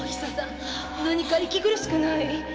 何か息苦しくない？